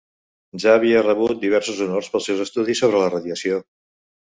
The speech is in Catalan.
Ja havia rebut diversos honors pels seus estudis sobre la radiació.